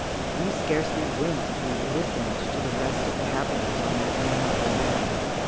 We scarcely winked as we listened to the rest of the happenings on that memorable day.